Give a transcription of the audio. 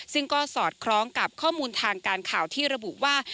ซึ่งก็สอดคล้องกับข้อมูลทางการข่าวที่ระบุว่า